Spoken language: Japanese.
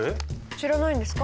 知らないんですか？